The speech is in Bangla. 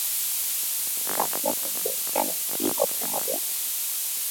দারোগা কহিল, কেন, কী করতে হবে?